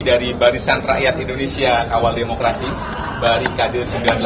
dari barisan rakyat indonesia awal demokrasi barikade sembilan puluh delapan